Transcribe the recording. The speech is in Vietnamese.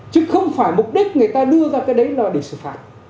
chứ không phải mục đích người ta đưa ra cái đấy là để xử phạt